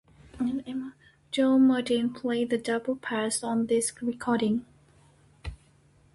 Joe Mauldin played the double bass on this recording.